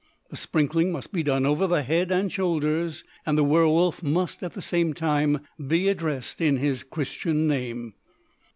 The sprinkling must be done over the head and shoulders, and the werwolf must at the same time be addressed in his Christian name.